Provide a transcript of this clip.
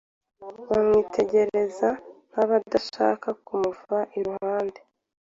bamwitegereza nk’abadashaka kumuva iruhande